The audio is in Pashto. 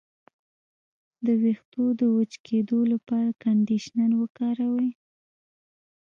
د ویښتو د وچ کیدو لپاره کنډیشنر وکاروئ